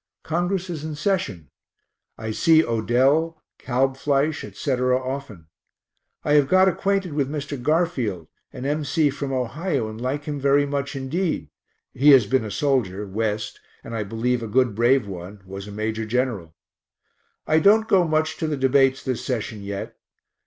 Congress is in session; I see Odell, Kalbfleisch, etc., often. I have got acquainted with Mr. Garfield, an M. C. from Ohio, and like him very much indeed (he has been a soldier West, and I believe a good brave one was a major general). I don't go much to the debates this session yet.